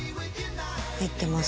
入ってます。